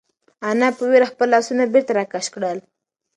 انا په وېره خپل لاسونه بېرته راکش کړل.